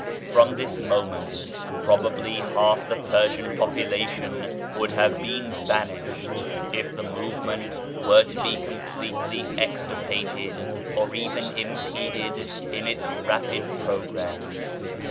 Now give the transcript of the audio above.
From this moment probably half the Persian population would have been banished if the movement were to be completely extirpated or even impeded in its rapid progress.